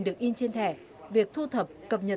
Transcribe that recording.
được in trên thẻ việc thu thập cập nhật